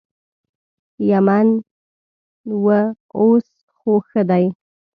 یمنی و اوس خو ښه دي.